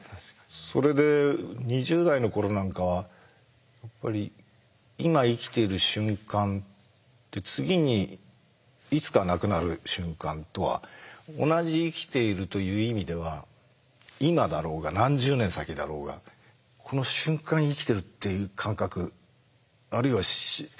それで２０代の頃なんかはやっぱり今生きている瞬間って次にいつかなくなる瞬間とは同じ生きているという意味では今だろうが何十年先だろうがこの瞬間生きてるっていう感覚あるいはすぐ先は